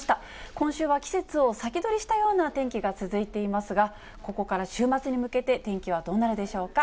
今週は季節を先取りしたような天気が続いていますが、ここから週末に向けて天気はどうなるでしょうか。